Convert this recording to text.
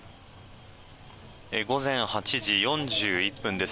午前８時４１分です。